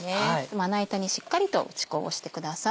まな板にしっかりと打ち粉をしてください。